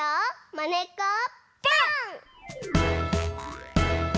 「まねっこぽん！」。